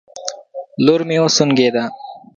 لور مې وسونګېده